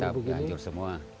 atap hancur semua